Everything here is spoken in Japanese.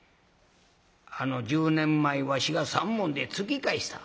あの１０年前わしが３文で突き返した。